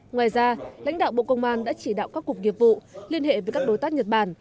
ngoài ra lãnh đạo bộ công an đã chỉ đạo các cục nghiệp vụ liên hệ với các đối tác nhật bản